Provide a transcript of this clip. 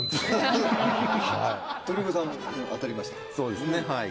そうですねはい。